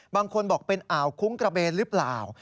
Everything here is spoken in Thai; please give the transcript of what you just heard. บางคนบอกเป็นอ่าวคุ้งกระเบนหรือเปล่า